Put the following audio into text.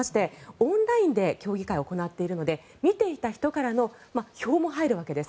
オンラインで競技会を行っているので見ていた人からの票も入るわけです。